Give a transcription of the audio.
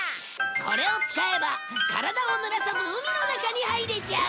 これを使えば体をぬらさず海の中に入れちゃう！